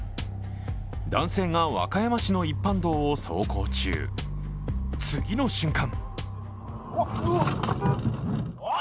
男性が和歌山市の一般道を走行中、次の瞬間